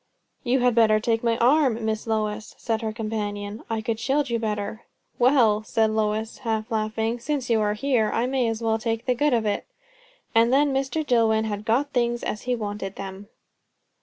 "You had better take my arm, Miss Lois," said her companion. "I could shield you better." "Well," said Lois, half laughing, "since you are here, I may as well take the good of it." And then Mr. Dillwyn had got things as he wanted them.